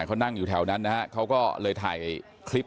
เขานั่งอยู่แถวนั้นนะฮะเขาก็เลยถ่ายคลิป